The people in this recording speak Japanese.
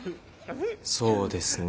そうですねぇ。